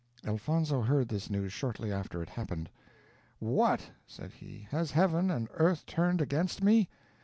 Elfonzo heard this news shortly after it happened. "What," said he, "has heaven and earth turned against me?